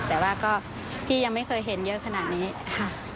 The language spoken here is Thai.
แต่ว่าก็พี่ยังไม่เคยเห็นเยอะขนาดนี้ค่ะ